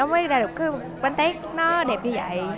mới ra được cái bánh tết nó đẹp như vậy